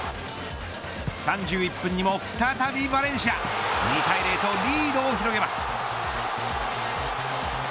３１分にも再びヴァレンシア２対０とリードを広げます。